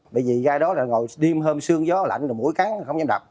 bởi vì gai đó là ngồi đêm hôm sương gió lạnh mũi cắn không dám đập